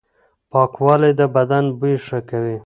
پاکوالي د بدن بوی ښه کوي.